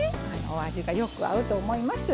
お味がよく合うと思います。